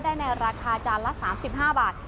ได้ในราคาจานละ๓๕บาท